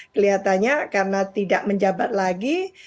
kelihatannya karena tidak menjabat lagi